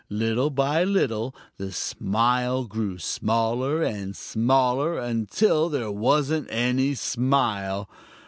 Little by little the smile grew smaller and smaller, until there wasn't any smile.